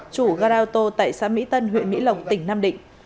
chủ garao tô tại xã mỹ tân huyện mỹ lộc tỉnh nam định